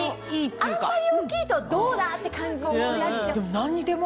あんまり大きいとどうだ！って感じになっちゃう。